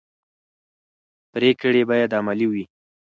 پرېکړې باید عملي وي